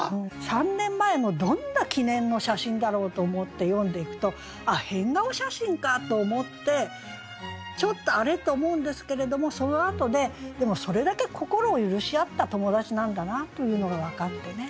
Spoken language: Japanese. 三年前のどんな記念の写真だろうと思って読んでいくとあっ変顔写真かと思ってちょっと「あれ？」と思うんですけれどもそのあとででもそれだけ心を許し合った友達なんだなというのが分かってね。